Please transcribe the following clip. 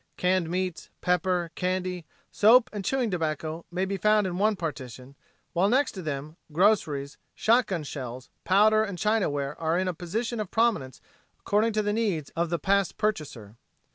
Canned meats, pepper, candy, soap and chewing tobacco may be found in one partition; while next to them, groceries, shotgun shells, powder and chinaware are in a position of prominence according to the needs of the past purchaser.